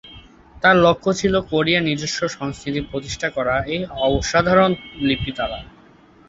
তার লক্ষ ছিল কোরিয়ার নিজস্ব সংস্কৃতি প্রতিষ্ঠা করা এই অসাধারণ লিপি দ্বারা।